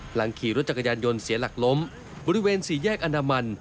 หลังขี่รถจักรยานยนต์เสียหลักล้มบริเวณสี่แยกอนามัน